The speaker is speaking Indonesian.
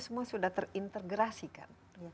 semua sudah terintegrasikan